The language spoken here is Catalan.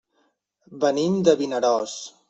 Venim de Vinaròs.